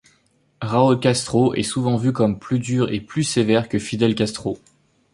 Raúl Castro est souvent vu comme plus dur et plus sévère que Fidel Castro.